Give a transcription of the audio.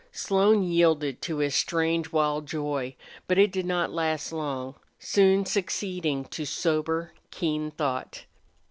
Slone yielded to his strange, wild joy, but it did not last long, soon succeeding to sober, keen thought.